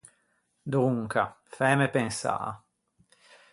Donca, fæme pensâ.